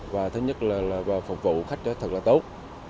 và thứ nhất là phục vụ khách thật là tốt